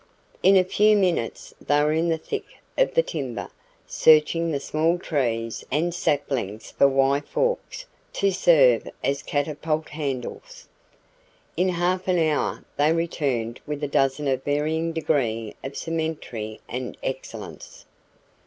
In a few minutes they were in the thick of the timber, searching the small trees and saplings for Y forks to serve as catapult handles. In half an hour they returned with a dozen of varying degree of symmetry and excellence.